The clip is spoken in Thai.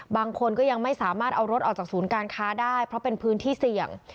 บางคนก็ยังไม่สามารถเอารถออกจากศูนย์การค้าได้เพราะเป็นพื้นที่เสี่ยง